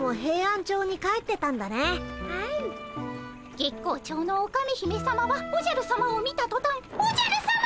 月光町のオカメ姫さまはおじゃるさまを見たとたん「おじゃるさま！